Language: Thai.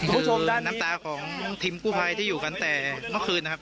คุณผู้ชมน้ำตาของทีมกู้ภัยที่อยู่กันแต่เมื่อคืนนะครับ